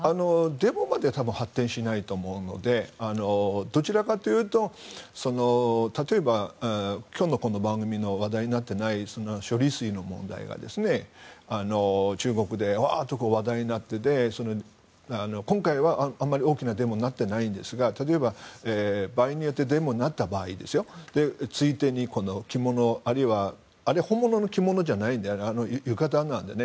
デモまでは多分、発展しないと思うのでどちらかというと例えば、今日のこの番組で話題になっていない処理水の問題が中国でワーッと話題になって今回はあまり大きなデモになっていないんですが例えば、場合によってはデモになった場合ついでにこの着物あれは本物の着物じゃないんですよ浴衣なんでね。